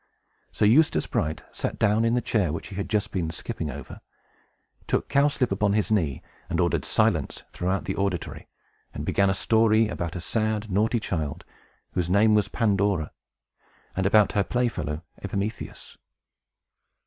So Eustace Bright sat down in the chair which he had just been skipping over, took Cowslip upon his knee, ordered silence throughout the auditory, and began a story about a sad naughty child, whose name was Pandora, and about her playfellow Epimetheus.